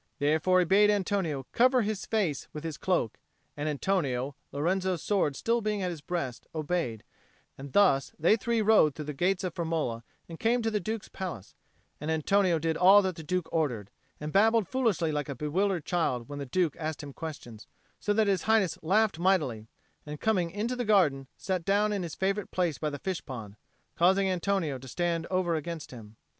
Therefore he bade Antonio cover his face with his cloak; and Antonio, Lorenzo's sword being still at his breast, obeyed; and thus they three rode through the gates of Firmola and came to the Duke's palace; and Antonio did all that the Duke ordered, and babbled foolishly like a bewildered child when the Duke asked him questions, so that His Highness laughed mightily, and, coming into the garden, sat down in his favourite place by the fish pond, causing Antonio to stand over against him.